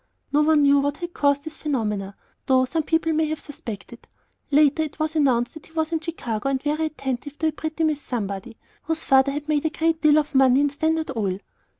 No one knew what had caused these phenomena, though some people may have suspected. Later it was announced that he was in Chicago and very attentive to a pretty Miss Somebody whose father had made a great deal of money in Standard oil.